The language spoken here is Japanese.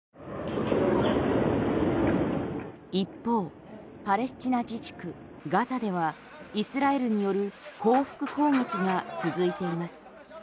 一方、パレスチナ自治区ガザではイスラエルによる報復攻撃が続いています。